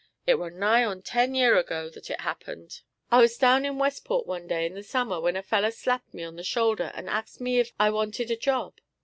It war' nigh onto ten year ago that it happened. I was down in Westport one day in the summer when a feller slapped me on the shoulder and axed me ef I wanted a job.